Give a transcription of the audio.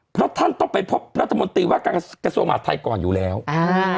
เพราะท่านต้องไปพบรัฐมนตรีว่าการกระทรวงมหาดไทยก่อนอยู่แล้วอ่า